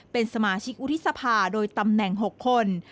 เป็นสมาชิกวุฒิสภาโดยตำแหน่ง๖คน